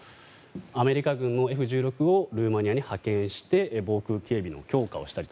アメリカ軍のＦ１６をルーマニアに派遣して防空警備の強化をしたり。